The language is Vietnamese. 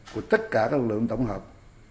của tất cả các lực lượng tổng hợp